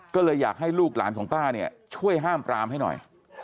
ก็เลยอยากให้ลูกหลานของป้าเนี่ยช่วยห้ามปรามให้หน่อย